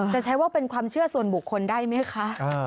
จะใช้ว่าเป็นความเชื่อส่วนบุคคลได้ไหมคะ